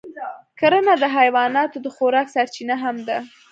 کرنه د حیواناتو د خوراک سرچینه هم ده.